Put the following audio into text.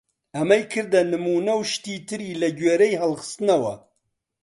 ئەمەی کردە نموونە و شتی تری لە گوێرەی هەڵخستەوە!